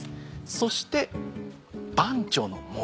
そして番町の森。